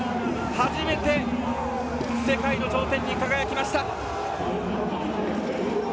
初めて世界の頂点に輝きました！